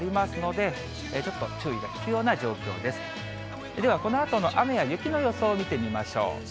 ではこのあとの雨や雪の予想を見てみましょう。